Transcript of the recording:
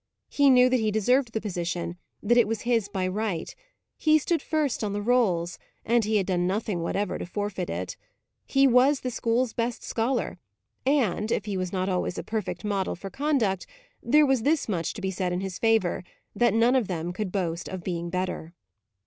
He knew that he deserved the position; that it was his by right; he stood first on the rolls, and he had done nothing whatever to forfeit it. He was the school's best scholar; and if he was not always a perfect model for conduct there was this much to be said in his favour, that none of them could boast of being better.